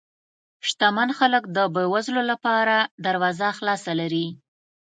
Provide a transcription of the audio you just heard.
شتمن خلک د بې وزلو لپاره دروازه خلاصه لري.